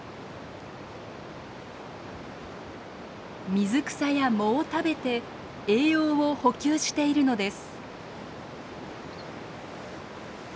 水草や藻を食べて栄養を補給しているのです。